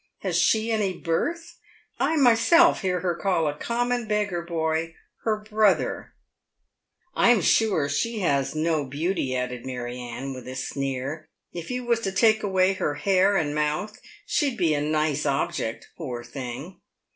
Has she any birth ? I myself hear her call a common beggar boy ' her brother !'"" I'm sure she has no beauty," added Mary Anne, with a sneer. " If you was to take away her hair and mouth, she'd be a nice object, poor thing."